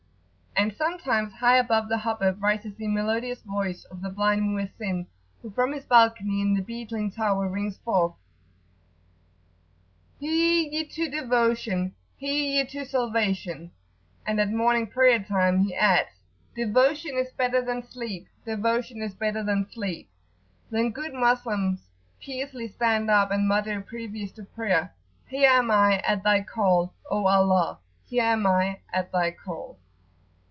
And sometimes, high above the hubbub, rises the melodious voice of the blind mu'ezzin, who, from his balcony in the beetling tower rings forth, "Hie ye to devotion! Hie ye to salvation." And (at morning prayer time) he adds: "Devotion is better than sleep! Devotion is better than sleep!" Then good Moslems piously stand up, and mutter, previous to prayer, "Here am I at Thy call, O Allah! here am I at Thy call!"